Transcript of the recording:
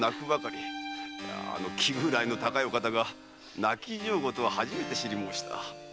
あの気位の高い方が泣き上戸とは初めて知り申した。